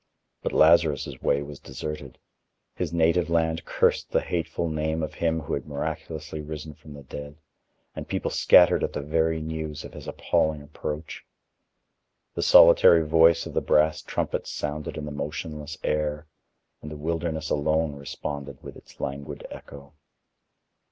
But Lazarus' way was deserted: his native land cursed the hateful name of him who had miraculously risen from the dead, and people scattered at the very news of his appalling approach. The solitary voice of the brass trumpets sounded in the motionless air, and the wilderness alone responded with its languid echo.